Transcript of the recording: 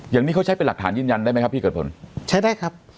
อย่างนี้เขาใช้เป็นหลักฐานยืนยันได้ไหมครับพี่เกิดผลใช้ได้ครับ